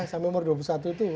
sampai umur dua puluh satu itu